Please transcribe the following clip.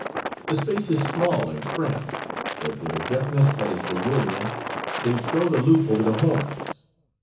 The space is small and cramped, but with a deftness that is bewildering they throw the loop over the horns.